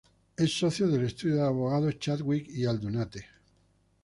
Es socio del estudio de abogados "Chadwick y Aldunate".